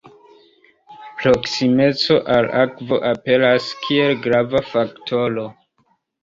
Proksimeco al akvo aperas kiel grava faktoro.